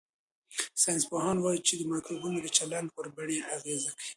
ساینسپوهان وايي چې مایکروبونه د چلند پر بڼې اغېز کوي.